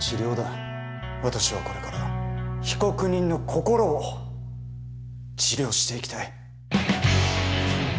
私はこれから被告人の心を治療していきたい。